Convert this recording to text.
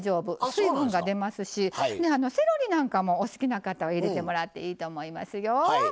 水分が出ますし、セロリなんかもお好きな方入れてもらってもいいと思います。